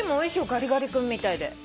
ガリガリ君みたいで。